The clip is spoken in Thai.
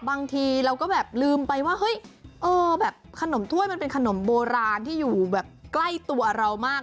บางทีเราก็แบบลืมไปว่าเฮ้ยแบบขนมถ้วยมันเป็นขนมโบราณที่อยู่แบบใกล้ตัวเรามาก